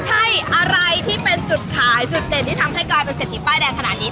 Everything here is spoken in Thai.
ใช่อะไรที่เป็นจุดขายจุดเด่นที่ทำให้กลายเป็นเศรษฐีป้ายแดงขนาดนี้